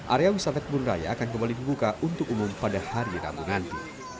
area wisata kebun raya akan kembali dibuka untuk umum pada hari rabu nanti